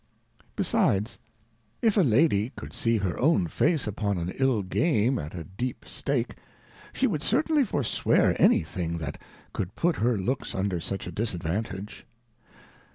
Besides if a Lady could see her own Face upon an ill Game, at a deep , Stake, she would certainly forswear any thing that could put her looks under such a Disadvantage.